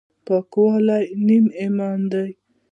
پاکي ولې نیم ایمان دی؟